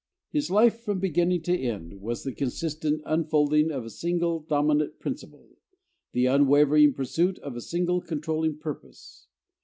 His life from beginning to end was the consistent unfolding of a single dominant principle the unwavering pursuit of a single controlling purpose.